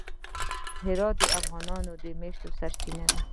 هرات د افغانانو د معیشت سرچینه ده.